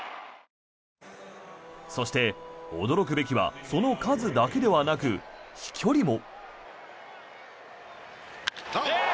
そして、驚くべきはその数だけではなく、飛距離も。